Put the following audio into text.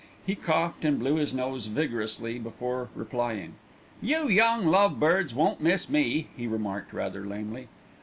He coughed and blew his nose vigorously before replying. "You young love birds won't miss me," he remarked rather lamely.